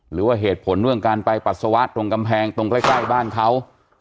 หรือว่าเหตุผลเรื่องการไปปัสสาวะตรงกำแพงตรงใกล้บ้านเขา